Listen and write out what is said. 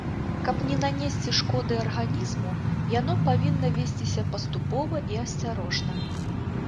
Каб не нанесці шкоды арганізму, яно павінна весціся паступова і асцярожна.